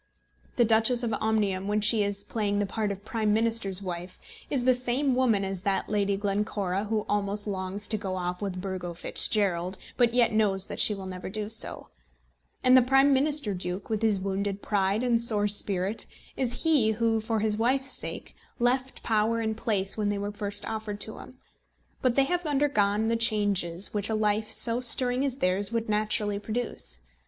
The Duchess of Omnium, when she is playing the part of Prime Minister's wife, is the same woman as that Lady Glencora who almost longs to go off with Burgo Fitzgerald, but yet knows that she will never do so; and the Prime Minister Duke, with his wounded pride and sore spirit, is he who, for his wife's sake, left power and place when they were first offered to him; but they have undergone the changes which a life so stirring as theirs would naturally produce.